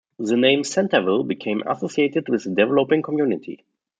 The name Centerville became associated with the developing community.